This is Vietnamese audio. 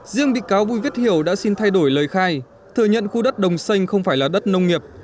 riêng bị cáo vui viết hiểu đã xin thay đổi lời khai thừa nhận khu đất đồng xanh không phải là đất nông nghiệp